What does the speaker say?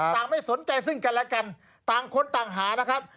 ไม่สนใจซึ่งกันและกันต่างคนต่างหานะครับ